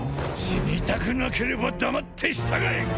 死にたくなければ黙って従え！